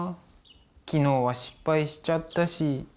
昨日は失敗しちゃったし。